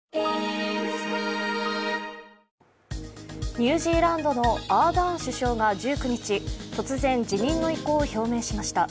ニュージーランドのアーダーン首相が１９日突然、辞任の意向を表明しました。